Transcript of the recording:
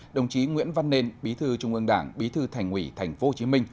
đồng chí nguyễn văn nên bí thư trung ương đảng bí thư thành ủy tp hcm